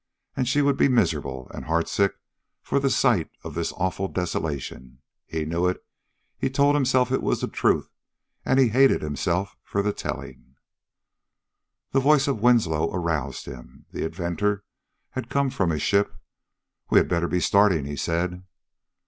And she would be miserable and heartsick for the sight of this awful desolation. He knew it he told himself it was the truth and he hated himself for the telling. The voice of Winslow aroused him. The inventor had come from his ship. "We had better be starting," he said.